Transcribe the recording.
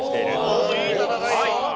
おおいい戦いよ。